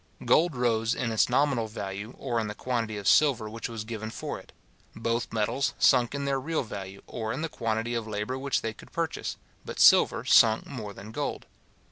Gold rose in its nominal value, or in the quantity of silver which was given for it. Both metals sunk in their real value, or in the quantity of labour which they could purchase; but silver sunk more than gold.